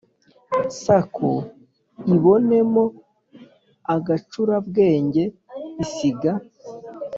sacco ibonemo agacurabwenge isiga